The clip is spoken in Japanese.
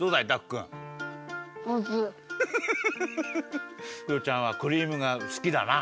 クヨちゃんはクリームが好きだな。